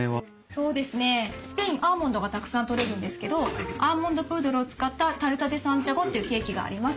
そうですねスペインアーモンドがたくさん取れるんですけどアーモンドプードルを使ったタルタ・デ・サンチャゴというケーキがあります。